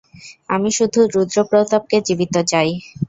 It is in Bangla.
আমি শুধু রুদ্র প্রতাপকে জীবিত চাই।